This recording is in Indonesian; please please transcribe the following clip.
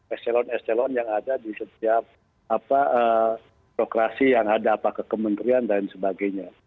ekselon ekselon yang ada di setiap birokrasi yang ada apa kekementerian dan sebagainya